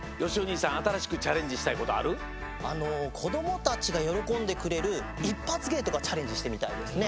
あのこどもたちがよろこんでくれる一発げいとかチャレンジしてみたいですね。